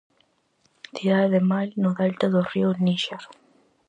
Cidade de Mali no delta do río Níxer.